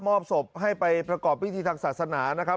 อบศพให้ไปประกอบพิธีทางศาสนานะครับ